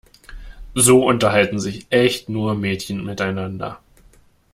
So unterhalten sich echt nur Mädchen miteinander.